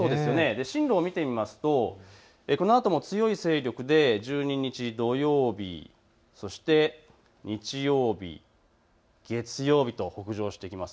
進路を見ていくと、このあとも強い勢力で１２日土曜日、そして日曜日、月曜日と北上してきます。